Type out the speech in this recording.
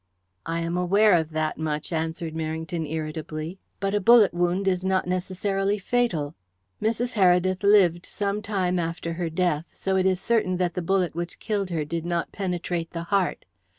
"I am aware of that much," answered Merrington irritably. "But a bullet wound is not necessarily fatal. Mrs. Heredith lived some time after her death, so it is certain that the bullet which killed her did not penetrate the heart.